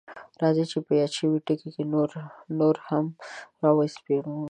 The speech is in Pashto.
راځئ چې یاد شوي ټکي نور هم راوسپړو: